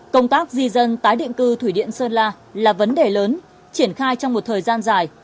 công tác di dân tái định cư thủy điện sơn la là vấn đề lớn triển khai trong một thời gian dài